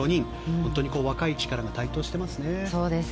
本当に若い力が台頭していますね。